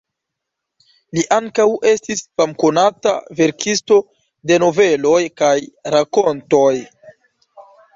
Li ankaŭ estis famkonata verkisto de noveloj kaj rakontoj.